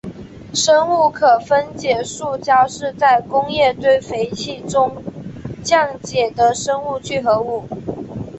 生物可分解塑胶是在工业堆肥器中降解的生物聚合物。